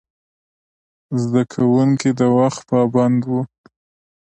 زده کوونکي د وخت پابند وو.